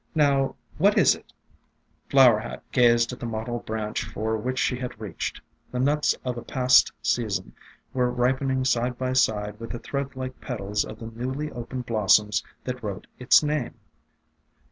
"Now what is it ?" Flower Hat gazed at the mottled branch for which she had reached. The nuts of a past sea 332 AFTERMATH son were ripening side by side with the threadlike petals of the newly opened blossoms that wrote its name.